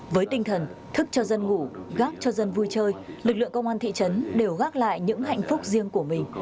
với tinh thần thức cho dân ngủ gác cho dân vui chơi lực lượng công an thị trấn đều gác lại những hạnh phúc riêng của mình